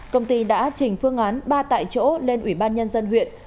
công ty đã trình phương án ba tại chỗ lên ủy ban nhân dân huyện